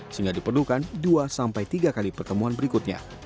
sehingga diperlukan dua sampai tiga kali pertemuan berikutnya